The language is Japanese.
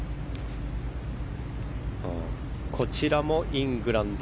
こちらもイングランド。